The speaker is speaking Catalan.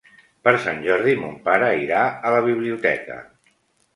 Per Sant Jordi mon pare irà a la biblioteca.